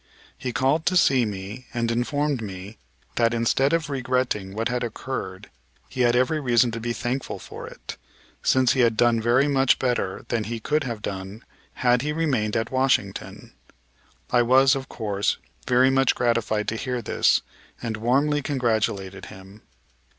He called to see me and informed me that, instead of regretting what had occurred, he had every reason to be thankful for it, since he had done very much better than he could have done had he remained at Washington. I was, of course, very much gratified to hear this and warmly congratulated him.